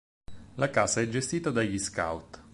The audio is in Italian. La casa è gestita dagli scout.